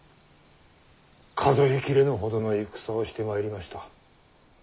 数え切れぬほどの戦をしてまいりました。